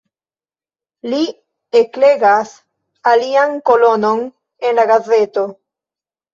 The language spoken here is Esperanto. Li eklegas alian kolonon en la gazeto.